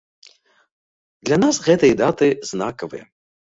Для нас гэтыя даты знакавыя.